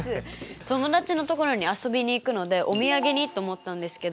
友達のところに遊びに行くのでお土産にと思ったんですけど。